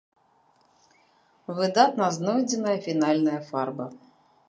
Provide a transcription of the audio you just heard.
Выдатна знойдзеная фінальная фарба.